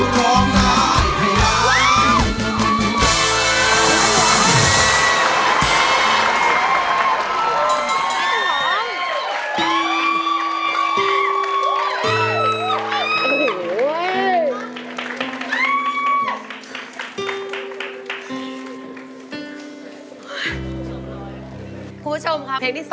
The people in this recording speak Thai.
ร้องได้ให้ร้าน